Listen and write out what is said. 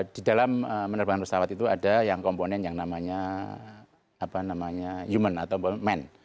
di dalam penerbangan pesawat itu ada yang komponen yang namanya human atau man